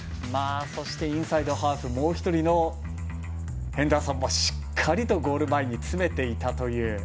インサイドハーフもう１人のヘンダーソンもしっかりとゴール前に詰めていたという。